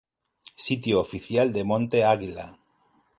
Sitio oficial de Monte Águila